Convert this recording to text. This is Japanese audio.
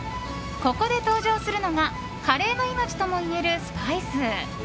ここで登場するのがカレーの命ともいえるスパイス。